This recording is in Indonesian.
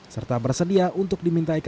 serta bersedia untuk dimiliki